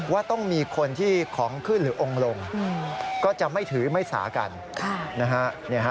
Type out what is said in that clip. ว่าต้องมีคนที่ของขึ้นหรือองค์ลงก็จะไม่ถือไม่สากันนะฮะ